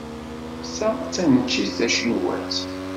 Ta d taneččit tacinwat.